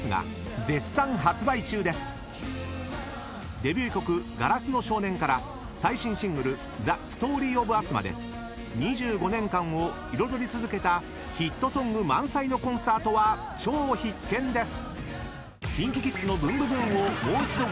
［デビュー曲『硝子の少年』から最新シングル『ＴｈｅＳｔｏｒｙｏｆＵｓ』まで２５年間を彩り続けたヒットソング満載のコンサートは超必見です］